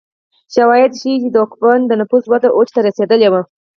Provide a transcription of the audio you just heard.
شواهد ښيي د کوپان د نفوس وده اوج ته رسېدلې وه